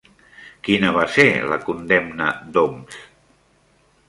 Quina va ser la condemna d'Homs?